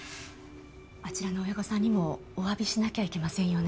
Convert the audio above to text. あちらの親御さんにもお詫びしなきゃいけませんよね。